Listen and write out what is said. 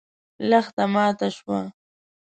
لښته ماته شوه.